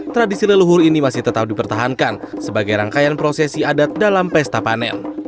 tradisi leluhur ini masih tetap dipertahankan sebagai rangkaian prosesi adat dalam pesta panen